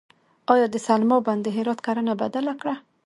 آیا د سلما بند د هرات کرنه بدله کړه؟